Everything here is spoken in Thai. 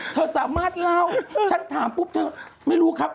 เธอสามารถเล่าฉันถามปุ๊บเธอไม่รู้ครับ